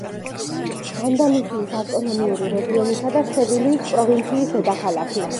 ანდალუსიის ავტონომიური რეგიონისა და სევილიის პროვინციის დედაქალაქი.